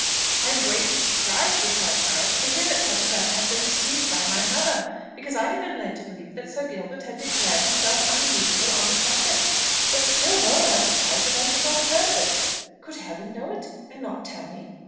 "I am greatly surprised," replied Charles, "to hear that such a letter has been received by my mother, because I had been led to believe that Sir Gilbert had declared himself immoveable on the subject; but still more am I surprised that I should not have heard of it. Could Helen know it, and not tell me?